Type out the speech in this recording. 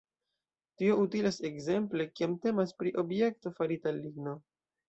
Tio utilas ekzemple, kiam temas pri objekto farita el ligno.